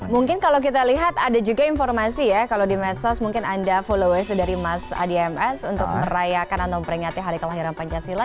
mungkin kalau kita lihat ada juga informasi ya kalau di medsos mungkin anda followers dari mas adi ms untuk merayakan atau memperingati hari kelahiran pancasila